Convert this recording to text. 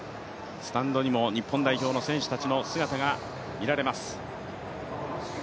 スタンドにも日本代表の選手たちの姿が見られます。